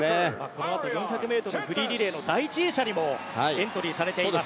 このあと４００ｍフリーリレーの第１泳者にもエントリーされています